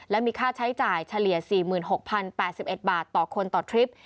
และมีค่าใช้จ่ายเฉลี่ย๔๖๐๘๑บาทต่อคนต่อทริป